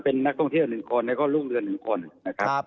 เป็นนักท่องเที่ยว๑คนแล้วก็รุ่งเรือง๑คนนะครับ